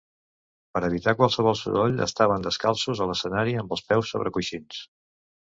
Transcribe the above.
Per evitar qualsevol soroll, estaven descalços a l’escenari amb els peus sobre coixins.